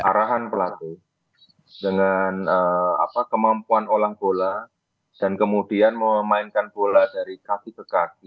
arahan pelatih dengan kemampuan olah bola dan kemudian memainkan bola dari kaki ke kaki